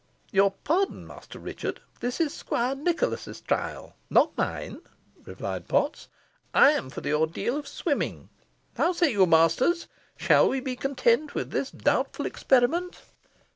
"Your pardon, Master Richard, this is Squire Nicholas's trial, not mine," replied Potts. "I am for the ordeal of swimming. How say you, masters! Shall we be content with this doubtful experiment?"